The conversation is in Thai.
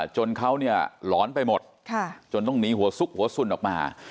จนเขาเนี่ยหลอนไปหมดจนต้องหนีหัวซุกหัวสุ่นออกมา